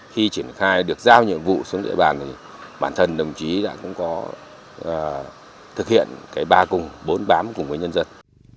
khi triển khai được giao nhiệm vụ xuống địa bàn thì bản thân đồng chí đã cũng có thực hiện cái ba cùng bốn bám cùng với nhân dân